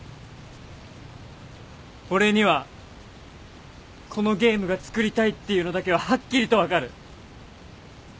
俺にはこのゲームが作りたいっていうのだけははっきりと分かる。